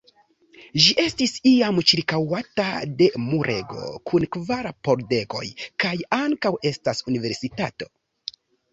Ĝi estis iam ĉirkaŭata de murego kun kvar pordegoj kaj ankaŭ estas universitato.